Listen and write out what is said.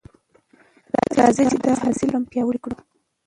راځئ چې دا اصل نور هم پیاوړی کړو.